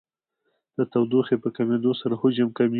د تودوخې په کمېدو سره حجم کمیږي.